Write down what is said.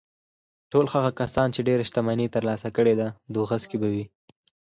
ټول هغه کسان چې ډېره شتمني يې ترلاسه کړې ده.